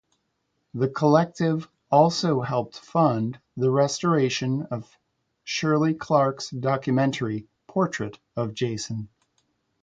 The collective also helped fund the restoration of Shirley Clarke's documentary "Portrait of Jason".